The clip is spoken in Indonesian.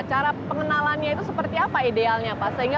cara pengenalannya itu seperti apa idealnya pak